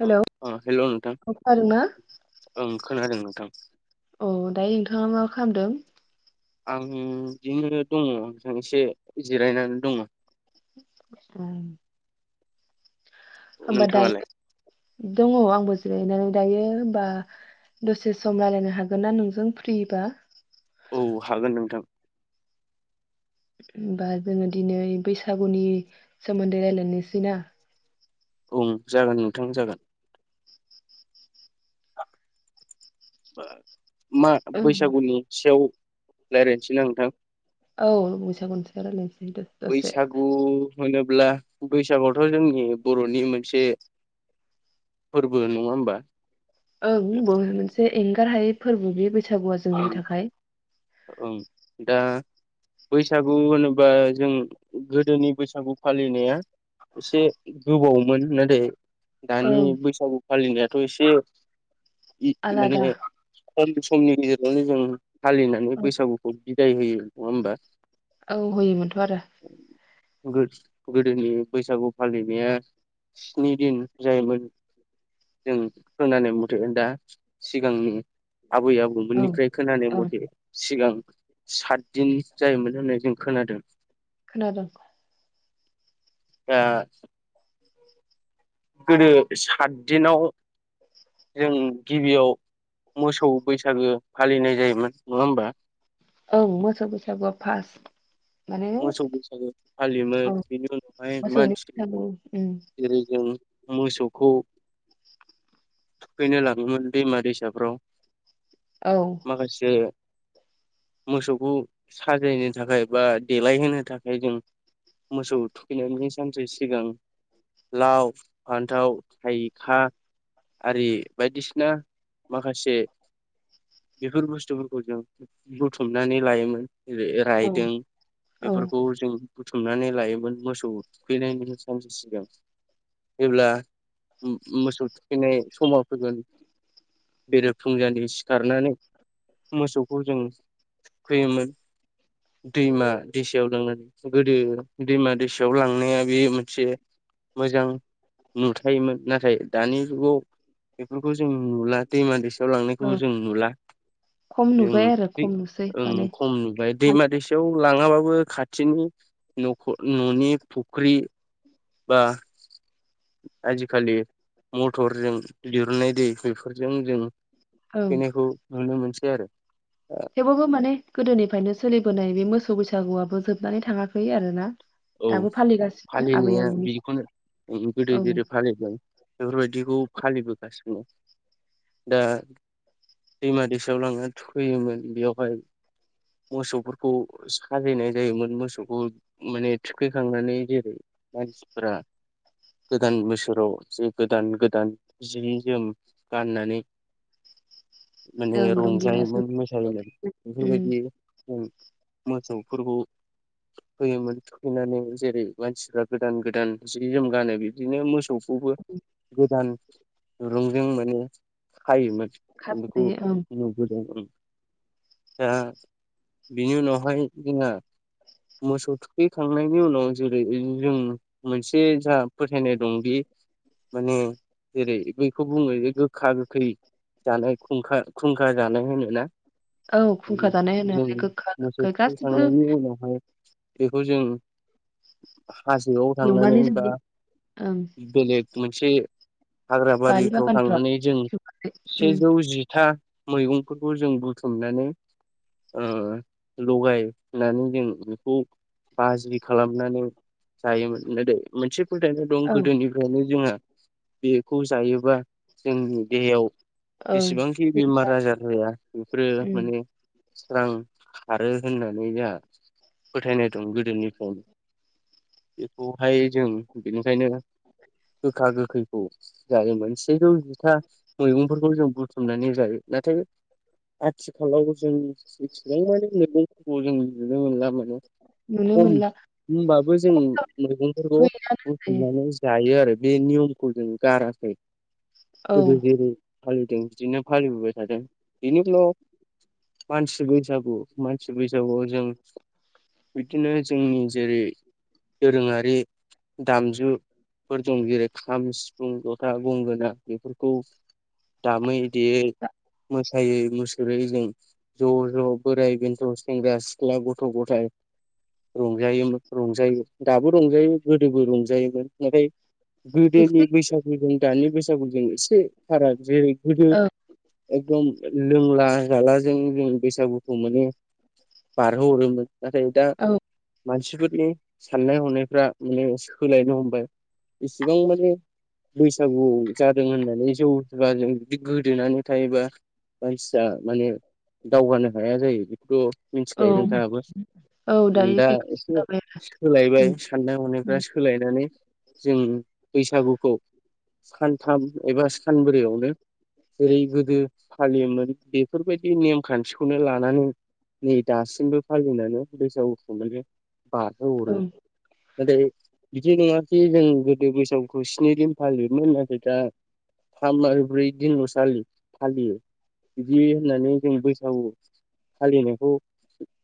Hello हेल नोंथां। औ खोनादोंना खोनादों नोंथां। अ दायो नोंथाङा मा खालामदों। आं बिदिनो दङ एसे जिरायनानै दङ। ए। नोंथाङालाय। दङ आंबो जिरायनानै दायो होनबा दसे सम राज्लायनो हागोन ना नोंजों फ्रिबा। औ हागोन नोंथां। होमबा जोङो दिनै बैसागुनि सोमोन्दै रायलायनोसै ना। उम जागोन नोंथां जागोन। बार। मा बैसागुनि सेव। रायज्लायनोसै ना नोंथां। औ बैसागुनि सायाव रायज्लायनोसै दसे। बैसागु होनोब्ला बैसागुवाथ' जोंनि बर'नि मोनसे फोरबो नङा होमबा। औ बे मोनसे। एंगार हायै फोरबो। बैसागुआ औ जोंनि थाखाय दा। बैसागु होनोबा जों गोदोनि बैसागु फालिनाया एसे गोबावमोन नाथाय। दानि ओं बैसागु फालिनाया। थ' एसे आलादा [unintelligible] [unintelligible] बेयावनो जों फालिनानै बैसागुखौ बिदाय होयो नङा होमबा? औ होयोमोनथ' आरो गोदोनि बैसागु फालिनाया स्नि दिन जायोमोन जों खोनानाय मथे दा सिगांनि आबै आबौमोननि ओं ओफ्राय खोनानाय ओं मथे सिगां सातदिन जायोमोन होननाय जों खोनादों। खोनादोंं। ए गोदो सात दिनाव जों गिबियाव मोसौ बैसागो फालिनाय जायोमोन नङा होनबा? औ मोसौ बैसागुआ फास। मोसौ बैसागु फालियोमोन बेनि उनावहाय मोसौनि मानसि बैसागु उम जेरै जों मोसौखौ थुखैनो लाङोमोन दैमा दैसाफ्राव औ माखासे मोसौखौ साजायनो थाखाय बा देलायहोनो थाखाय जों मोसौ थुखैनानैनायनि सानसे सिगां लाव, फान्थाव, थाइखाआरि बायदिसिना माखासे बेफोर बुस्थुफोरखौ जों बुथुमनानै लायोमोन। औ रे-राइदोंं। औ बेफोरखौ जों बुथुमनानै लायोमोन मोसौ थुखैनायनि सानसे सिगां जेब्ला मोसौ थुखैनाय समाव फैगोन बेरे फुंजानि सिखारनानै मोसौखौ जों थुखैयोमोन दैमा दैसायाव लांनानै गोदो दैमा दैसायाव लांनाया बे मोनसे मोजां नुथायोमोन नाथाय दानि जुगाव बेफोरखौ जों नुला दैमा दैसायाव लांनायखौ औ जों नुला खम जों नुबाय आरो खम नुसै माने ओं खम नुबाय हाल दैमा दैसा लां बो खाथिनि न'खर न'नि फुख्रि बा। आजि खालि मथरजों दिरुननाय दै बेफोरजों जों थुखैनायखौ नुनो मोनसै। आरो। थेवबोबो माने गोदोनिफ्रायनो सोलिबोनाय बे मोसौ बैसागुआबो जोबनानै थाङाखै आरोना। औ दाबो फालिगासिनो आबै फालिनाया आबौनि बिदिखौनो गोदो ओं जेरै फालिदों बेफोरबायदिखौ फालिबो गासिनो दा दैमा दैसायाव लांनानै थुखैयोमोन बेयावहाय मोसौफोरखौ साजायनाय जायोमोन। मोसौखौ माने थुखैखांनानै जेरै मानसिफोरा गोदान बोसोराव गोदान गोदान जि जोम गाननानै। माने ओं रंगिना रंजायोमोन मोसायोमोन उम बेफोरबायदि जों मोसौफोरखौ थुखैयोमोन। थुनानै जेरै मानसिफ्रा गोदान गोदान जि जोम गानो बिदिनो मोसौ खौबो गोदान दुंरुंजों माने खायोमोन। बेखौ खाजायो ओं नुबोदों ओं। दा बिनि उनावहाय जोंहा मोसौ थुखै खांनायनि उनाव जेरै जों मोनसे जा फोथायनाय दं बे माने जेरै बैखौ बुङो जे गोखा गोखै जाना खुंखा खुंखा जानाय होनोना। औ खुंखा जानाय होनो जों गोखा मोसौ गोखै गासिबो खौ जों हाजोआव थांनानै एवनानै बा जायो ओं बेलेग मोनसे बारि हाग्राबारिफ्राव बागानफ्राव थांनानै जों उम सेजौ जिथा मैगंफोरखौ जों बुथुमनानै ओ लगायनानै जों बेखौ बाजि खालामनानै जायोमोन गोदो मोनसे फोथायनाय दं औ गोदोनिफ्रायनो जोंहा बेखौ जायोबा जोंनि देहायाव ओं जेसेबांखि बे बेमार आजार होया बेफोरो उम माने सोरां खारो होननानै जोहा फोथायनाय दं गोदोनिफ्रायनो बेखौहाय जों बेनिखायनो गोखा गोखैखौ जायोमोन सेजौ जिथा मैगंफोरखौ जों बुथुमनानै जायो नाथाय आथिखालाव जों जेसेबां मैगंफोरखौ जों नुनो मोनलामोन नुनो खम मोनला होमबाबो जों मैगंफोरखौ गैयानो होनजायो बुथुमनानै जा यो आरो बे नियमखौ जों गाराखै औ गोदो जेरै फालिदों बिदिनो फालिबोबाय थादों बिनि फ्ल मानसि बैसागु मानसि बैसागुआव जों बिदिनो जोंनि जेरै दोरोङारि दामजुफोर दं जेरै खाम, सिफुं, जथा, गंगोना बेफोरखौ दामै देयै मो सायै मुसुरै जों ज' ज' बोराय बेन्थ' सेंग्रा सिख्ला गथ' गथाय रंजायोमोन रंजायो दाबो रंजायो गोदोबो रंजायोमोन नाथाय गोदोनि एसे बैसागुजों दानि बैसागुजों एसे फाराग जेरै गोदो औ एकदम लोंला जाला जों जों बैसागुखौ मानो बारहोहरोमोन नाथाय दा औ मानसिफोरनि साननाय हनायफ्रा माने सोलायनो हमबाय इसेबां माने बैसागु जादों होननानै जौ जुवाजों जुदि गोदोनानै थायोबा मानसिया माने दावगानो हाया जायो बिखौ मिनथिखायो औ नोंथाङाबो औ दायो दा खोनानो एसे जाबाय सोलायबाय आरो साननाय हनायफ्रा उम सोलायनानै नै जों बैसागुखौ सानथाम एबा सानब्रैयावनो जेरै गोदो फालियोमोन बेफोरबायदि नेमखान्थिखौनो लानानै नै दासिमबो फालिनानै बैसागु खुंलायदों बाहो हरो उम नाथाय बिदि नंङाखि जों गोदो बैसागुखौ स्नि दिन फालियोमोन नाथाय दा थाम आरो ब्रै दिनल सालि फालियो बिदि होननानै जों बैसागु फालिनायखौ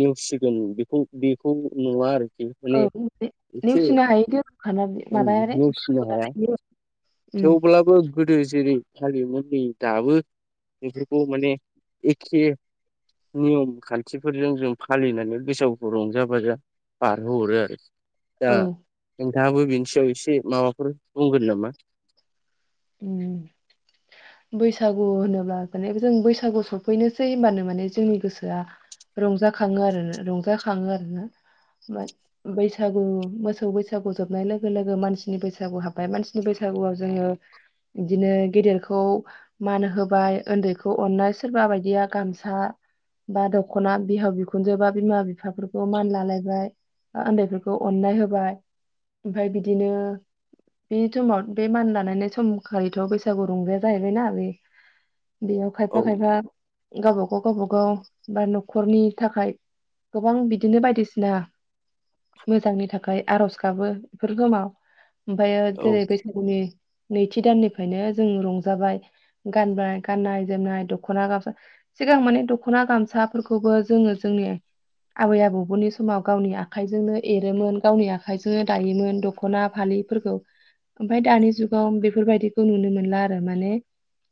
नेवसिग जों बेखौ बेखौ नुवा आरोखि माने औ ने एसे नेवसिनो हायि दोरोंखाना बेयो माबायानो नेवसिनो हाया [unintelligible] उम थेवब्लाबो गोदो जेरै फालियोमोन बे दाबो बेफोरखौ माने एखे नियम खान्थिफोरजों जों फालिनानै बैसागुखौ रंजा बाजा बारहो हरो आरो दा औ हाबो बिनि सयाव एसे माबाफोर बुंगोन नामा? उम बैसागु होनोब्ला माने जों बैसागु सफैनोसै होनबानो माने जोंनि गोसोआ रंजाखाङो आरो रंजाखांङो आरोना मा बैसागु मोसौ बैसागु जोबनाय लोगो लोगो मानसिनि बैसागु हाबबाय मानसिनि बैसागुआव जोंङो इदिनो गेदेरखौ मान होबाय उन्दैखौ अननाय सोरबा बायदिया गामसा बा दखना बिहाव बिखुनजो बा बिमा बिफाफोरखौ मान लालायबाय उन्दैफोरखौ अननाय होबाय ओमफाय बिदिनो बे समाव बे मान लानायनाय सम खालिथ बैसागु रंजाया जाहैबायना बे बेयाव औ खायफा खायफा गावबागाव गावबागाव बा नखरनि थाखाय गोबां बिदिनो बायदिसिना मोजांनि थाखाय आरज गाबो बेफोर समाव ओमफायो औ जेरै बैसागुनि थि दाननिफ्रायनो जों रंजाबाय गानबाय गाननाय जोमनाय दखना गामसा सिगां माने दखना गामसाफोरखौबो जोंङो जोंनि आबै आबौनि समाव गावनि आखाइजोंनो एरोमोन गावनि आखाइजोंनो दायोमोन दखना फालिफोरखौ ओमफाय दानि जुगाव बे बेफोरबायाददिखौ नुनो मोनला आरो माने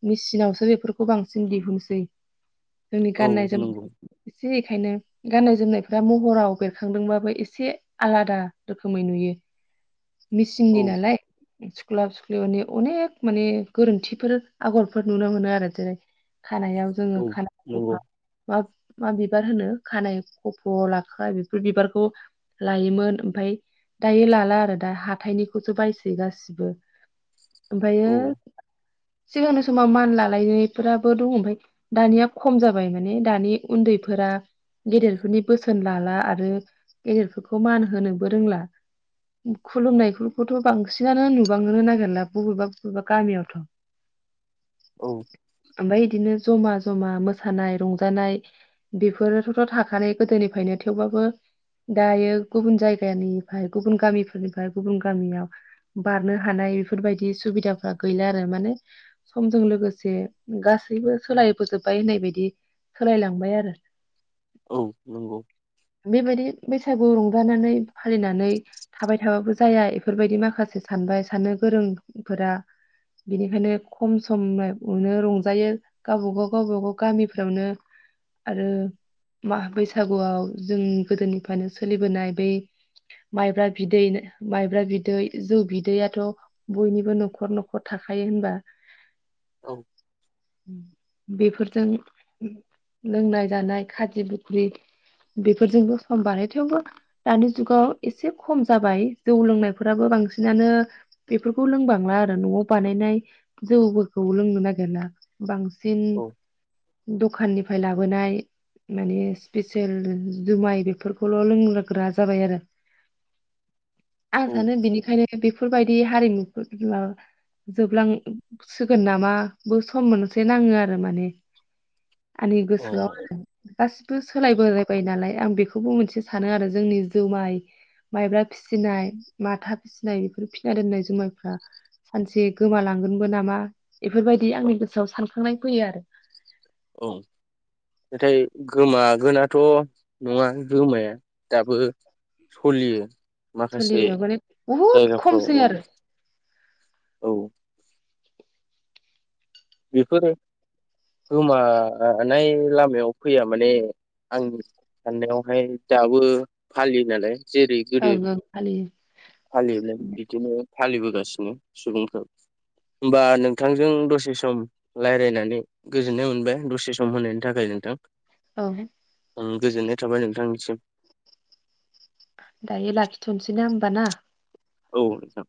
मेसिनावसो बेफोरखौ बांसिन दिहुनसै । जोंनि औ गाननाय नंगौ जोमनाय [inaudible] इसे ओंखायनो गाननाय जोमनायफ्रा महराव बेरखांदोंबाबो एसे आलादा रोखोमै नुयो । औ मिसिंनि नालाय सुख्लाब सुख्लि माने अनेक माने गोरोन्थिफोर आगरफोर नुनो मोनो आरो जेरै खानायाव जोंङो औ खानाय खफा नंगौ माब मा बिबार होनो खानाय खफ लाख्रा बेफोर बिबारखौ लायोमोन ओमफाय दायो लाला आरो दा हाथायनिखौसो बायसै गासिबो औ ओमफायो सिगांनि समाव मान लालायनायफोराबो दङ ओमफाय दानिया खम जाबाय माने दानि उन्दैफोरा गेदेरफोरनि बोसोन लाला आरो गेदेरफोरखौ मान होनोबो रोंला खुलुमनायफोरखौथ बांसिनानो नुबांनोनो नागिरला बबेबा बबेबा गामियावथ औ ओमफाय इदिनो जमा जमा मोसानाय रंजानाय बेफोरोथ थाखानाय गोदोनिफ्रायनो थेवबाबो दायो गुबुन जायगानिफ्राय गुबुन गामिफोरनिफ्राय गुबुन गामियाव बारनो हानाय बेफोरबायदि सुबिदाफ्रा गैला आरो मानो‌ समजों लोगोसे गासैबो सोलायबोजोबबाय होननाय बायदि सोलायलांबाय आरो औ नंगौ बेबायदि बैसागु रंजानानै फालिनानै थाबाय थाबाबो जाया इफोरबायदि माखासे सानबाय सानो गोरोंफोरा बिनिखायनो खम समायावनो रंजायो गावबागाव गावबागाव गामिफ्रावनो आरो मा बैसागुआव जों गोदोनिफ्रायनो सोलिबोनाय बै माइब्रा बिदै माइब्रा बिदै जौ बिदैयाथ बयनिबो न'खर न'खर थाखायो होनबा [inaudible] औ बेफोरजों लोंनाय जानाय खाजि बुख्रि बेफोरजोंबो सम बारो थेवबो दानि जुगाव एसे खम जाबाय जौ लोंनायफोराबो बांसिनानो बेफोरखौ लोंबांला आरो न'आव बानायनाय जौफोरखौ लोंनो नागिरला बां सिन औ दखाननिफ्राय लाबोनाय माने स्पेसियेल जुमाय बेफोरखौल' लोंग्रा जाबाय आरो आं औ सानो बिनिखायनो बे फोरबाय बे हारिमुफोरा जोबलांसिगोन नामा बो सम मोनसे नांङो आरो माने आंनि अ गोसोआव गासिबो सोलायबोबाय नालाय आं बेखौबो मोनसे सानो आरो जोंनि जुमाय माइब्रा फिसिनाय माथा फिसिनाय बेफोर फि ना दोननाय जुमायफ्रा सानसे गोमालांगोनबो नामा बेफोरबायदि आंनि गोसोआव सानखांनाय फैयो आरो औ नाथाय गोमागोनाथ' नङा गोमाया दाबो सलियो । सलियो माने बहुत औ खमसैआरो औ बेफोरो गोमानाय लामायाव फैया माने आं साननायावहाय दाबो फालियो नालाय जेरै गोदो ओं ओं फालियो फालियोमोन बिदिनो फालिबोगासिनो सुबुंफोर होमबा नोंथांजों दसे स सम रायज्लायनानै गोजोननाय मोनबाय दसे सम होनायनि थाखाय नोंथां। औ ओम गोजोननाय थाबाय नोंथांनिसिम दायो लाखिथ'नोसैना होमबा ना? औ नोंथां